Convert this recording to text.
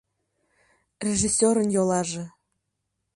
Режиссёрын йолаже.